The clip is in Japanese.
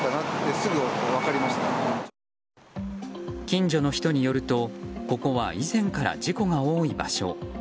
近所の人によるとここは以前から事故が多い場所。